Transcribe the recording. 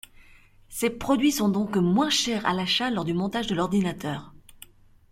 Ces produits sont donc moins chers à l'achat lors du montage de l'ordinateur.